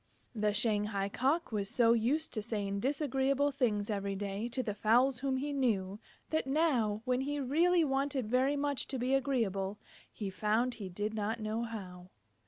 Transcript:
The Shanghai Cock was so used to saying disagreeable things every day to the fowls whom he knew, that now, when he really wanted very much to be agreeable, he found he did not know how.